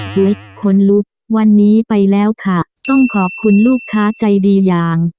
เล็กขนลุกวันนี้ไปแล้วค่ะต้องขอบคุณลูกค้าใจดีอย่าง